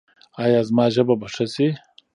ایا زما ژبه به ښه شي؟